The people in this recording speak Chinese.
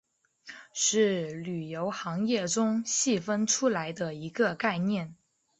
是旅游行业中细分出来的一个概念。